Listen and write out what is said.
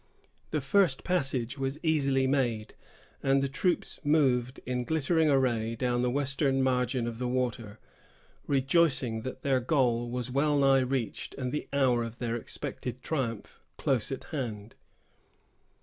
The first passage was easily made, and the troops moved, in glittering array, down the western margin of the water, rejoicing that their goal was well nigh reached, and the hour of their expected triumph close at hand.